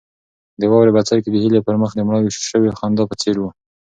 د واورې بڅرکي د هیلې پر مخ د مړاوې شوې خندا په څېر وو.